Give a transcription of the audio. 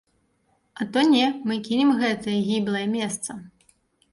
А то не, мы кінем гэтае гіблае месца!